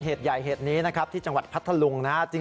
เหตุใหญ่เหตุนี้นะครับที่จังหวัดพัทธลุงนะครับ